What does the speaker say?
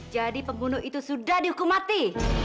jadi pembunuh itu sudah dihukum mati